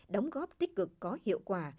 đóng góp tích cực có hiệu quả